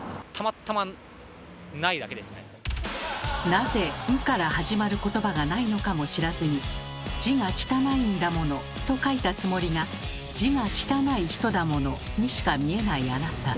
なぜ「ん」から始まることばがないのかも知らずに「字が汚い『ん』だもの」と書いたつもりが「字が汚い『人』だもの」にしか見えないあなた。